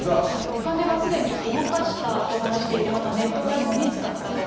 お金はすでに動かしたと話していて、またネットカジノに使ったと。